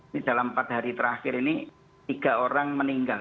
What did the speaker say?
ini dalam empat hari terakhir ini tiga orang meninggal